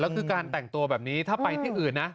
แล้วคือการแต่งตัวแบบนี้ถ้าไปที่อื่นนะ